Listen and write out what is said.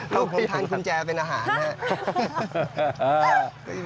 พวกผมทานกุญแจเป็นอาหารนะครับ